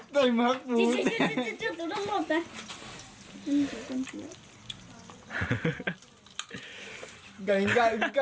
ได้มากพูด